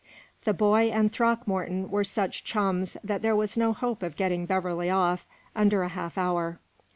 The boy and Throckmorton were such chums that there was no hope of getting Beverley off under a half hour.